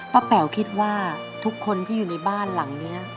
แป๋วคิดว่าทุกคนที่อยู่ในบ้านหลังนี้